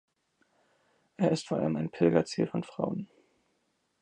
Er ist vor allem ein Pilgerziel von Frauen.